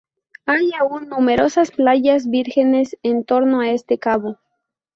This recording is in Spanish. Hay aún numerosas playas vírgenes en torno a este cabo.